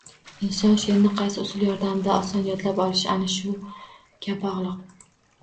Inson sheʼrni qaysi usul yordamida oson yodlab olishi ana shunga bog‘liq.